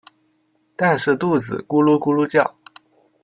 但是肚子咕噜咕噜叫